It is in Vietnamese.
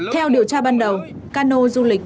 theo điều tra ban đầu cano du lịch